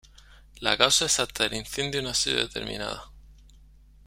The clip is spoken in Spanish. La causa exacta del incendio no ha sido determinada.